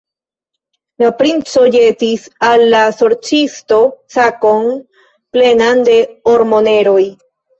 La princo ĵetis al la sorĉisto sakon, plenan de ormoneroj.